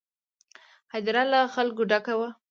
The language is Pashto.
هدیره له خلکو ډکه وه.